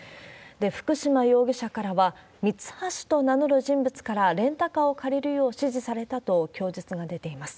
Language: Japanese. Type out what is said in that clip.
福島容疑者からは、ミツハシと名乗る人物から、レンタカーを借りるよう指示されたと供述が出ています。